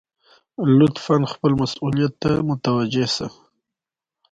انسان د خپلو اعمالو مسؤول دی!